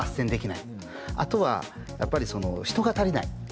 あとはやっぱり人が足りない。